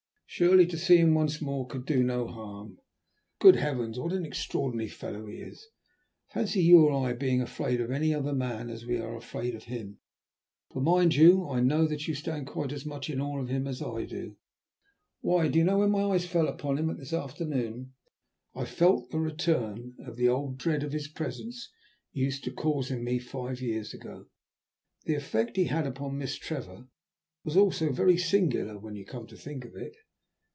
"Surely to see him once more could do no harm? Good heavens! what an extraordinary fellow he is! Fancy you or I being afraid of any other man as we are afraid of him, for mind you, I know that you stand quite as much in awe of him as I do. Why, do you know when my eyes fell upon him this afternoon I felt a return of the old dread his presence used to cause in me five years ago! The effect he had upon Miss Trevor was also very singular, when you come to think of it."